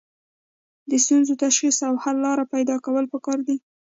د ستونزو تشخیص او حل لاره پیدا کول پکار دي.